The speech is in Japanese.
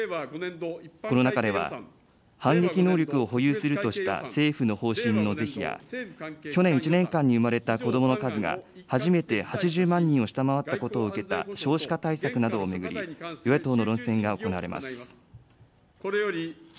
この中では、反撃能力を保有するとした政府の方針の是非や、去年１年間に生まれたこどもの数が初めて８０万人を下回ったことを受けた少子化対策などを巡り、与野党の論戦が行われます。